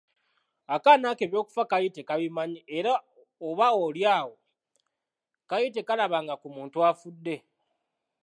Akaana ko eby'okufa kaali tekabimanyi era oba oli awo kaali tekalabanga ku muntu afudde.